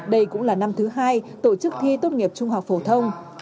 đây cũng là năm thứ hai tổ chức thi tốt nghiệp trung học phổ thông